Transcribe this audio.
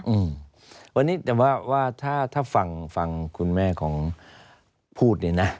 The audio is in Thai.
อืมวันนี้แต่ว่าว่าถ้าถ้าฟังฟังคุณแม่ของพูดเนี่ยนะ